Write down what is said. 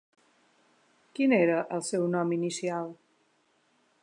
Quin era el seu nom inicial?